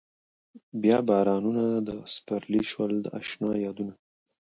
بيا بارانونه د سپرلي شو د اشنا يادونه